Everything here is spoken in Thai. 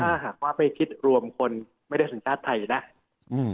ถ้าหากว่าไม่คิดรวมคนไม่ได้สัญชาติไทยนะอืม